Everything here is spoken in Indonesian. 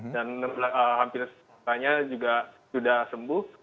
dan hampir setengahnya juga sudah sembuh